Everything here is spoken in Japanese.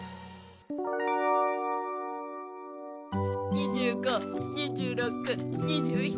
２５２６２７。